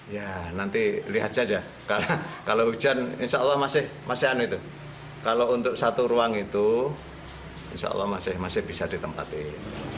ya nanti lihat saja kalau hujan insya allah masih anu itu kalau untuk satu ruang itu insya allah masih bisa ditempatin